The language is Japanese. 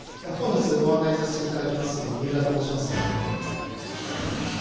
本日ご案内させて頂きます三浦と申します。